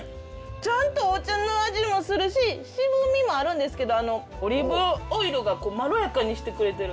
ちゃんとお茶の味もするし渋みもあるんですけどオリーブオイルがこうまろやかにしてくれてる。